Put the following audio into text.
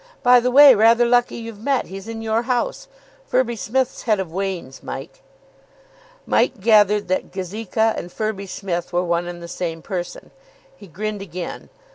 By the way, rather lucky you've met. He's in your house. Firby Smith's head of Wain's, Mike." Mike gathered that Gazeka and Firby Smith were one and the same person. He grinned again.